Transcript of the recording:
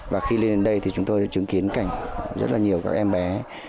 và khi lên đây thì chúng tôi đã chứng kiến cảnh rất là nhiều các em bé